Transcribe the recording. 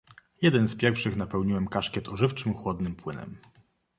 "Jeden z pierwszych napełniłem kaszkiet ożywczym, chłodnym płynem."